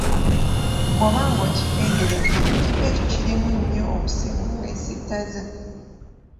Bw’oba ng’okigenderedde ekifo ekyo kirimu nnyo obusimu obwesittaza.